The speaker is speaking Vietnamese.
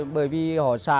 bởi vì họ xả